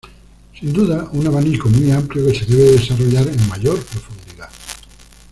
Sin duda, un abanico muy amplio que se debe desarrollar en mayor profundidad.